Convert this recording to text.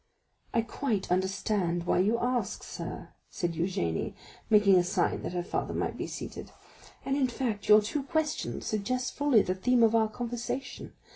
"I quite understand why you ask, sir," said Eugénie, making a sign that her father might be seated, "and in fact your two questions suggest fully the theme of our conversation.